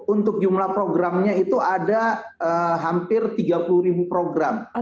untuk jumlah programnya itu ada hampir tiga puluh ribu program